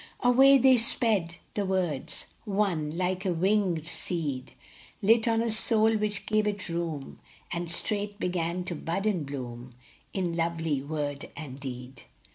Away they sped, the words : One, like a winged seed, Lit on a soul which gave it room, And straight began to bud and bloom In lovely word and deed.